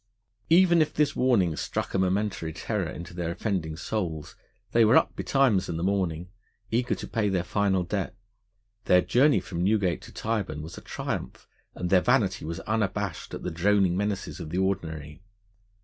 Even if this warning voice struck a momentary terror into their offending souls, they were up betimes in the morning, eager to pay their final debt. Their journey from Newgate to Tyburn was a triumph, and their vanity was unabashed at the droning menaces of the Ordinary.